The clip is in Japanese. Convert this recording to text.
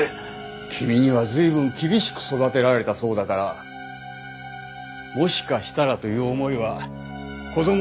君には随分厳しく育てられたそうだからもしかしたらという思いは子供の頃からあったって。